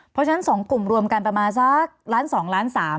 เพราะฉะนั้น๒กลุ่มรวมกันประมาณสักล้าน๒ล้าน๓